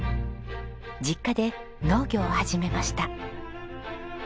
実家で農業を始めました。